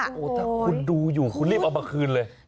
คุณดูอยู่คุณรีบเอามาคืนเลย